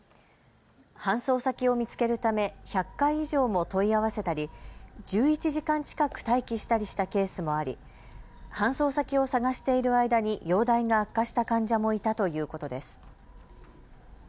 搬送先を見つけるため１００回以上も問い合わせたり１１時間近く待機したりしたケースもあり搬送先を探している間に容体が悪化した患者もいたということです。